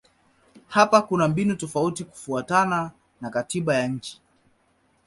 Hapa kuna mbinu tofauti kufuatana na katiba ya nchi.